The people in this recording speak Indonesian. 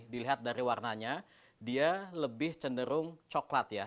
dilihat dari warnanya dia lebih cenderung coklat ya